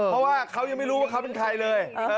เพราะว่าเขายังไม่รู้ว่าเขาเป็นใครเลย